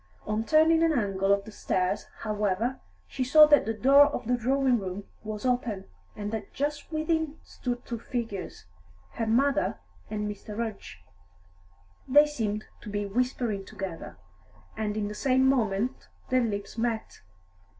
On turning an angle of the stairs, however, she saw that the door of the drawing room was open, and that just within stood two figures her mother and Mr. Rudge. They seemed to be whispering together, and in the same moment their lips met.